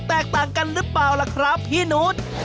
แตกต่างกันหรือเปล่าล่ะครับพี่นุษย์